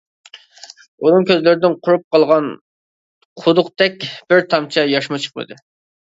ئۇنىڭ كۆزلىرىدىن قۇرۇپ قالغان قۇدۇقتەك بىر تامچە ياشمۇ چىقمىدى.